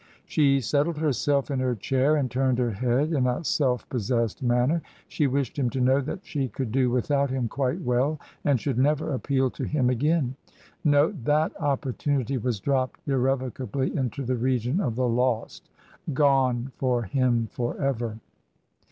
She settled herself in her chair and turned her head in a self possessed manner. She wished him to know that she could do without him quite well and should never appeal to him again. No ! That opportunity was dropped irrevocably into the region of the lost — ^gone for him forever.